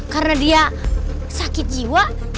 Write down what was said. karena dia sakit jiwa